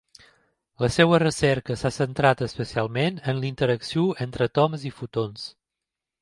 La seva recerca s'ha centrat especialment en la interacció entre àtoms i fotons.